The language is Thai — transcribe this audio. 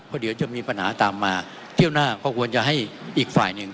ก็เดี๋ยวจะมีปัญหาตามมาเที่ยวหน้าก็ควรจะให้อีกฝ่ายหนึ่ง